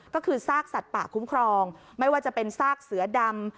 ก็คือซากสัตว์ป่าคุ้มครองไม่ว่าจะเป็นซากเสือดำ